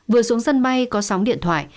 vừa xuống dân bay có sóng điện thoại